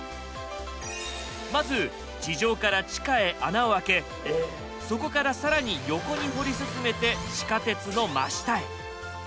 まず地上から地下へ穴をあけそこから更に横に掘り進めて地下鉄の真下へ。